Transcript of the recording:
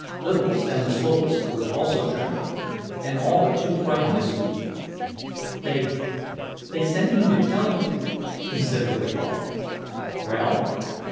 Little Stanislovas was also trembling, and all but too frightened to speak. "They—they sent me to tell you—" he said, with a gulp. "Well?"